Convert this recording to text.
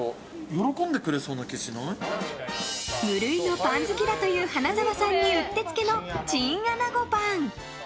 無類のパン好きだという花澤さんにうってつけの、チンアナゴパン。